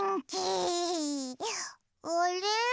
あれ？